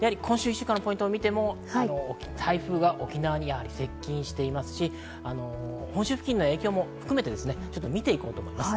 今週１週間のポイントを見ても台風が沖縄に接近していますし、本州付近の影響も含めて見ていこうと思います。